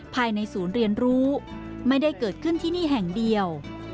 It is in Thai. ภายในศูนย์เรียนรู้ไม่ได้เกิดขึ้นที่นี่แห่งเดียว